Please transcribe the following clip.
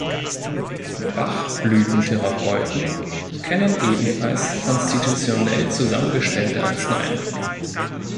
Bach-Blüten-Therapeuten kennen ebenfalls "konstitutionell" zusammengestellte Arzneien.